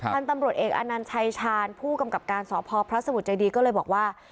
ท่านตำรวจเอกอนัญชัยชาญผู้กำกับการสพพระสมุทรเจดีก็เลยบอกว่า